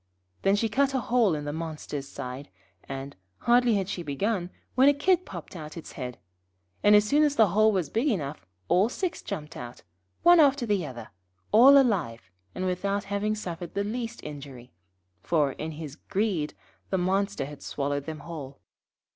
Then she cut a hole in the monster's side, and, hardly had she begun, when a Kid popped out its head, and as soon as the hole was big enough, all six jumped out, one after the other, all alive, and without having suffered the least injury, for, in his greed, the monster had swallowed them whole.